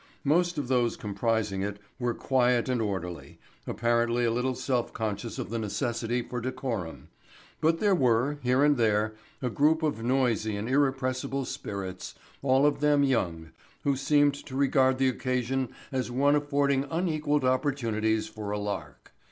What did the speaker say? Most of those comprising it were quiet and orderly—apparently a little self conscious of the necessity for decorum—but there were, here and there, a group of noisy and irrepressible Spirits, all of them young, who seemed to regard the occasion as one affording unequalled opportunities for a lark.